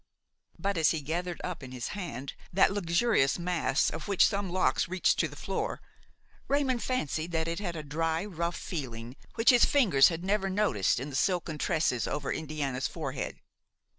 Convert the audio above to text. But as he gathered up in his hand that luxuriant mass of which some locks reached to the floor, Raymon fancied that it had a dry, rough feeling which his fingers had never noticed in the silken tresses over Indiana's forehead.